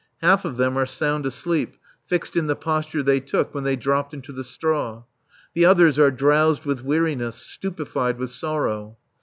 Half of them are sound asleep, fixed in the posture they took when they dropped into the straw. The others are drowsed with weariness, stupefied with sorrow.